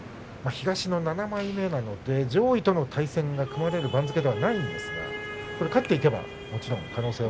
東の７枚目で上位との対戦が組まれる番付ではないんですけれど勝っていけば、もちろん。